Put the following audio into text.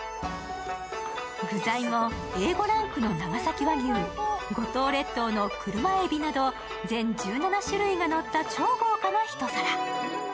具材もＡ５ランクの長崎和牛、五島列島の車えびなど全１７種類がのった超豪華な一皿。